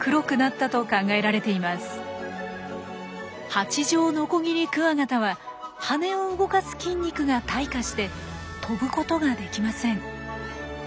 ハチジョウノコギリクワガタは羽を動かす筋肉が退化して飛ぶことができません。